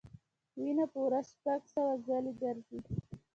وینه په ورځ شپږ سوه ځلې ګرځي.